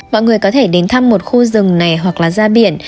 mọi người có thể đến thăm một khu rừng này hoặc là ra biển